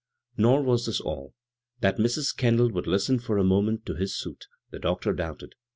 Nor was this all. That Mrs. Kendall would listen for a moment to his suit, the doctor doubted.